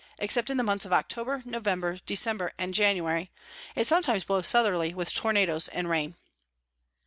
except in the Months of October, November, December, and January, it sometimes blows Southerly with Tornadoes and Rain.